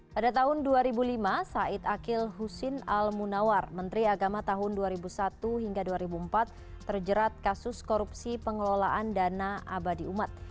pada tahun dua ribu lima said akil husin al munawar menteri agama tahun dua ribu satu hingga dua ribu empat terjerat kasus korupsi pengelolaan dana abadi umat